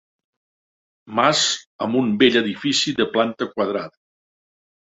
Mas amb un vell edifici de planta quadrada.